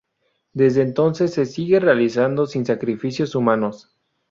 Desde entonces se sigue realizando sin sacrificios humanos.